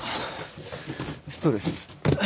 ストレス。